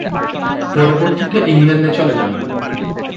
পরবর্তীতে ইংল্যান্ডে চলে যান।